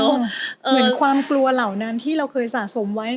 เหมือนความกลัวเหล่านั้นที่เราเคยสะสมไว้